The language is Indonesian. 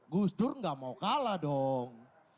gus dur gak mau kalah dong